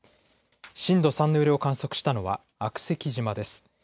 震度３の揺れを観測したのは悪石島です。